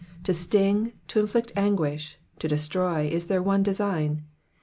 To sting, to inflict anguish, to destroy, is their one design.